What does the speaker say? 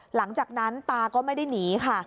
หลังจากนั้นตาก็ไม่ได้หนีค่ะ